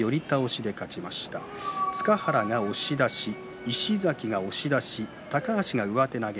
峰刃が寄り倒し、塚原が押し出し石崎が押し出し高橋が上手投げ。